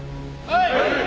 はい！